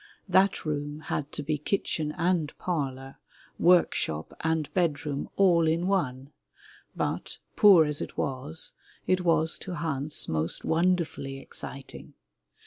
That room had to be kitchen and parlor, work shop and bedroom all in one, but, poor as it was, it was to Hans most wonderfully exciting.